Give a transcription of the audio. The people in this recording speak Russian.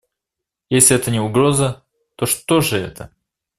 Если это не угроза, то что же это?